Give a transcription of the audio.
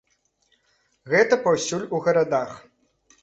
Гэта паўсюль у гарадах.